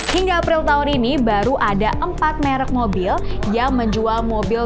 hingga april tahun ini baru ada empat merek mobil yang menjual mobil